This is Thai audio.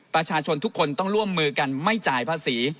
ประชาชนทุกคนต้องร่วมมือกันไม่จ่ายภาษี